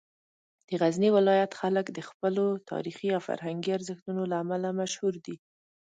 د غزني ولایت خلک د خپلو تاریخي او فرهنګي ارزښتونو له امله مشهور دي.